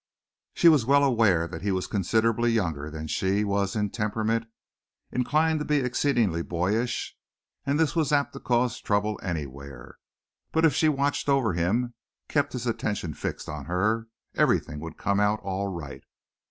She was well aware that he was considerably younger than she was in temperament, inclined to be exceedingly boyish, and this was apt to cause trouble anywhere. But if she watched over him, kept his attention fixed on her, everything would come out all right.